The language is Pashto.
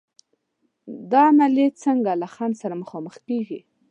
دا عملیې څنګه له خنډ سره مخامخ کېږي؟